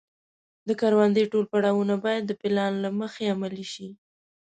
د کروندې ټول پړاوونه باید د پلان له مخې عملي شي.